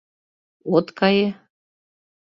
От кае?